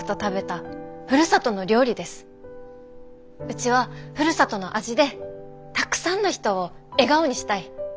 うちはふるさとの味でたくさんの人を笑顔にしたい。